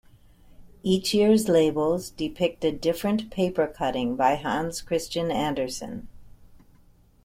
Each year's labels depict a different paper cutting by Hans Christian Andersen.